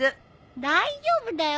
大丈夫だよ！